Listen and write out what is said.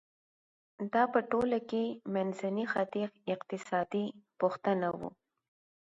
دا په ټوله کې د منځني ختیځ اقتصادي بنسټونه وو.